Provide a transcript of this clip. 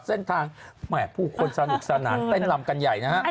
เส้นทางผู้คนสนุกสนานเต้นลำกันใหญ่นะฮะ